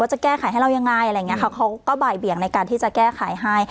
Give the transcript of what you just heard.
จะแก้ไขให้เรายังไงอะไรอย่างนี้ค่ะเขาก็บ่ายเบี่ยงในการที่จะแก้ไขให้